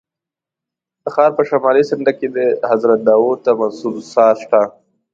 د ښار په شمالي څنډه کې حضرت داود ته منسوب څاه شته.